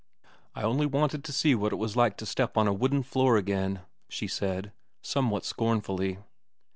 "I only wanted to see what it was like to step on a wooden floor again," she said, somewhat scornfully.